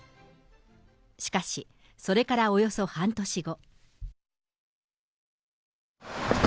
しかし、それからおよそ半年後。